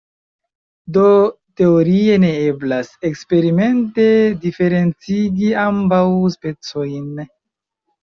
Do teorie ne eblas eksperimente diferencigi ambaŭ specojn.